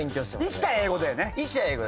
生きた英語だよね。